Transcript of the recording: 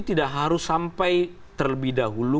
tidak harus sampai terlebih dahulu